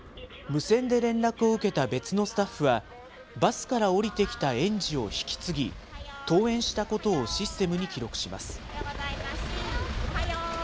無線で連絡を受けた別のスタッフは、バスから降りてきた園児を引き継ぎ、登園したことをシステムに記録します。